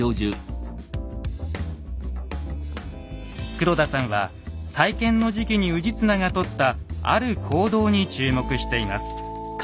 黒田さんは再建の時期に氏綱がとったある行動に注目しています。